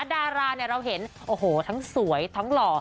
ดาราเนี่ยเราเห็นโอ้โหทั้งสวยทั้งหล่อ